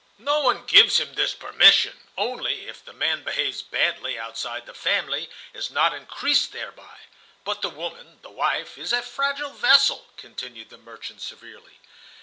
"No one gives him this permission; only, if the man behaves badly outside, the family is not increased thereby; but the woman, the wife, is a fragile vessel," continued the merchant, severely.